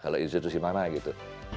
kalau institusi mana gitu